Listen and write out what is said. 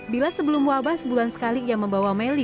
bila sebelum wabah sebulan sekali ia membawa melly